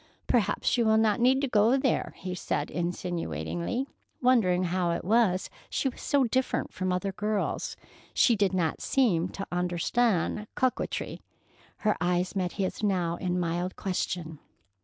"Perhaps you will not need to go there," he said insinuatingly, wondering how it was she was so different from other girls. She did not seem to understand coquetry. Her eyes met his now in mild question.